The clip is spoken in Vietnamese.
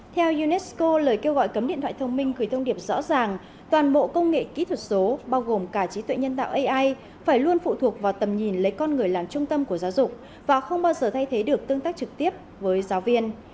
theo unesco lời kêu gọi cấm điện thoại thông minh gửi thông điệp rõ ràng toàn bộ công nghệ kỹ thuật số bao gồm cả trí tuệ nhân tạo ai phải luôn phụ thuộc vào tầm nhìn lấy con người làm trung tâm của giáo dục và không bao giờ thay thế được tương tác trực tiếp với giáo viên